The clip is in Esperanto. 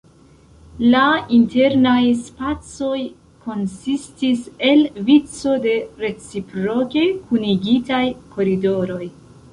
La internaj spacoj konsistis el vico de reciproke kunigitaj koridoroj.